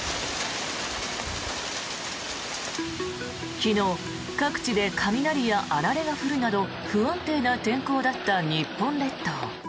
昨日、各地で雷やあられが降るなど不安定な天候だった日本列島。